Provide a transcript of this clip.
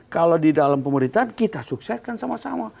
kalau di dalam pemerintahan kita sukseskan sama sama